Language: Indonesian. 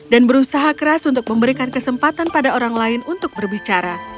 dan berusaha keras untuk memberikan kesempatan pada orang lain untuk berbicara